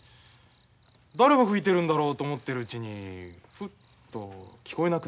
誰が吹いてるんだろうと思ってるうちにふっと聞こえなくなったんです。